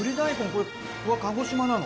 これは鹿児島なの？